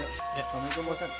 waalaikumsalam pak ustadz